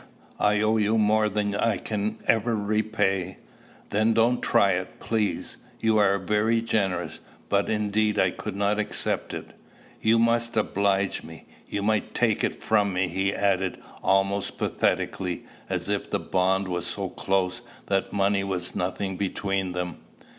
I owe you more than I can ever repay." "Then don't try it, please. You are very generous; but indeed I could not accept it." "You must oblige me. You might take it from me," he added, almost pathetically, as if the bond was so close that money was nothing between them.